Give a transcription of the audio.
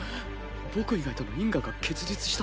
僕以外との因果が結実した？